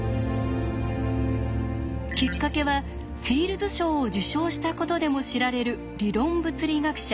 きっかけはフィールズ賞を受賞したことでも知られる理論物理学者